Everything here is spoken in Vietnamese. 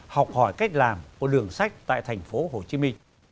học hỏi cách làm của đường sách tại thành phố hồ chí minh